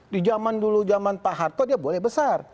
di jaman dulu jaman pak harto dia boleh besar